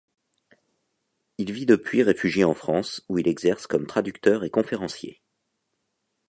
Il vit depuis réfugié en France où il exerce comme traducteur et conférencier.